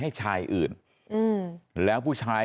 ให้ชายอื่นอืมแล้วผู้ชาย